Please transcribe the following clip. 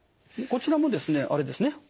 こちらもですねあれですね